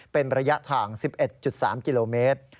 เป็นระยะทาง๑๑๓กิโลเมตร